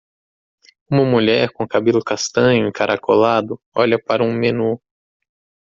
Uma mulher com cabelo castanho encaracolado olha para um menu.